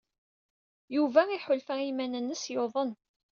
Yuba iḥulfa i yiman-nnes yuḍen.